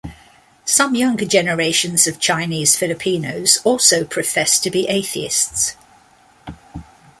Some younger generations of Chinese Filipinos also profess to be atheists.